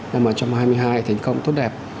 năm hai nghìn hai mươi hai thành công tốt đẹp